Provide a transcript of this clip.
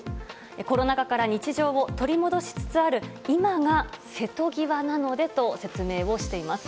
コロナ禍から日常を取り戻しつつある今が瀬戸際なのでと説明をしています。